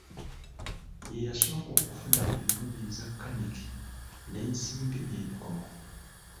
Ye yasooka okufuna engoye eza kaniki n'ensimbi n'ebikomo.